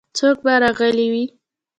څوک به راغلي وي.